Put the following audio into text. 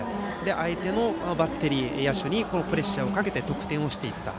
相手のバッテリー野手にプレッシャーをかけて得点をしていった。